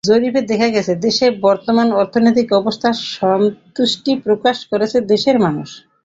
জরিপে দেখা গেছে, দেশের বর্তমান অর্থনৈতিক অবস্থায় সন্তুষ্টি প্রকাশ করেছেন দেশের মানুষ।